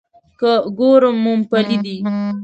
که ګورم مومپلي دي.